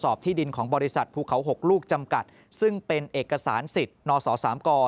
ที่ดินของบริษัทภูเขา๖ลูกจำกัดซึ่งเป็นเอกสารสิทธิ์นศสามก